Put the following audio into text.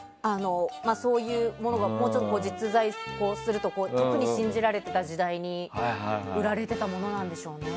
そういうものがもうちょっと実在すると信じられてた時代に売られてたものなんでしょうね。